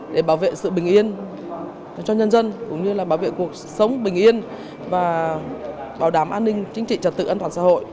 để bảo vệ sự bình yên cho nhân dân cũng như là bảo vệ cuộc sống bình yên và bảo đảm an ninh chính trị trật tự an toàn xã hội